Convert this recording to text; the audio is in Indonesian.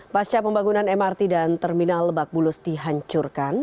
pasca pembangunan mrt dan terminal lebak bulus dihancurkan